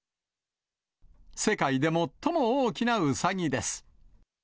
世界で最も大きなウサギです。